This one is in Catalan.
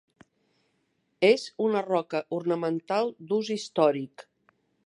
És una roca ornamental d'ús històric.